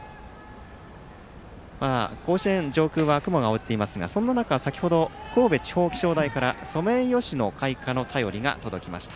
甲子園上空は雲が覆っていますがそんな中、先ほど神戸地方気象台からソメイヨシノ開花の便りが届きました。